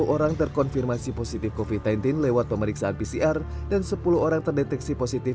sepuluh orang terkonfirmasi positif covid sembilan belas lewat pemeriksaan pcr dan sepuluh orang terdeteksi positif